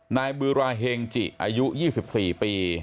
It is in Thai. นายบือราเฮงจิอายุ๒๔ปี